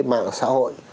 mạng xã hội